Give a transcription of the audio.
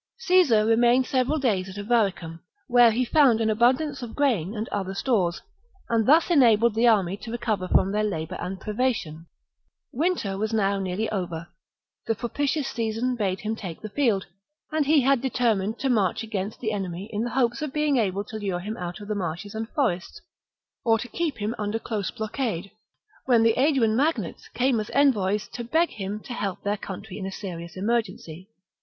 Caesar remained several days at Avaricum, Caesar, at where he found an abundance of grain and other of the ,, 1,1, r A«^">' ^^• stores, and thus enabled the army to recover from ddesbe 1 11 •• ITT tween rival their labour and privation. Wmter was now claimants for .. 111*1 ^^^ office of nearly over : the propitious season bade him take vergobret. the field ; and he had determined to march against the enemy in the hope of being able to lure him out of the marshes and forests or to keep him under close blockade, when the Aeduan magnates came as envoys to beg him to help their country in a serious emergency.